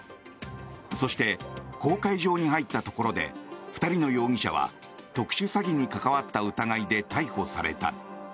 そして、公海上に入ったところで２人の容疑者は特殊詐欺に関わった疑いで逮捕された。